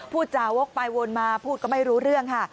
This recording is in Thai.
พูดจาวกไปวนมาพูดก็ไม่รู้เรื่องค่ะ